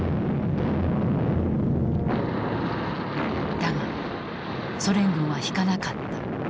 だがソ連軍は引かなかった。